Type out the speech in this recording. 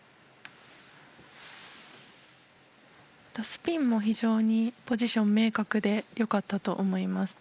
スピンも非常にポジションが明確で良かったと思います。